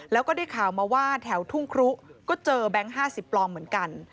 แล้วก็ได้ข่าวมาว่าแถวทุ่งครุก็เจอแบงค์๕๐ปลอมเหมือนกัน